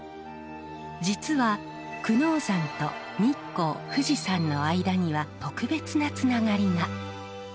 実は久能山と日光富士山の間には特別なつながりが。